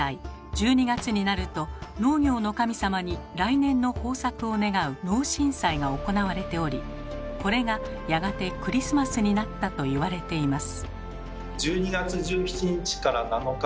１２月になると農業の神様に来年の豊作を願う「農神祭」が行われておりこれがやがてクリスマスになったと言われています。